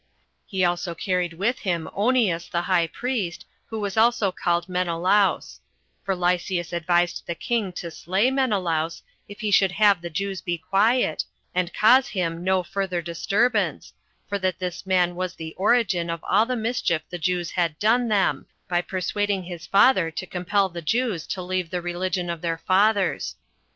He also carried with him Onias the high priest, who was also called Menelaus; for Lysias advised the king to slay Menelaus, if he would have the Jews be quiet, and cause him no further disturbance, for that this man was the origin of all the mischief the Jews had done them, by persuading his father to compel the Jews to leave the religion of their fathers.